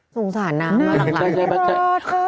สงสารน้ำมากเลย